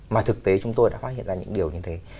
mà thực tế chúng tôi đã phát hiện ra những điều như thế